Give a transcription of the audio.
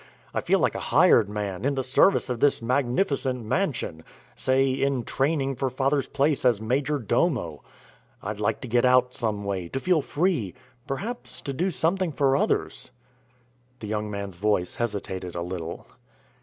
I feel like a hired man, in the service of this magnificent mansion say in training for father's place as majordomo. I'd like to get out some way, to feel free perhaps to do something for others." The young man's voice hesitated a little.